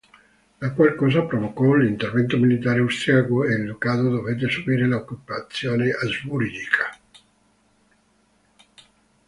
La qual cosa provocò l'intervento militare austriaco e il Ducato dovette subire l'occupazione asburgica.